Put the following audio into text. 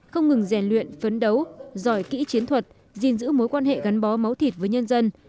không ngừng rèn luyện phấn đấu giỏi kỹ chiến thuật gìn giữ mối quan hệ gắn bó máu thịt với nhân dân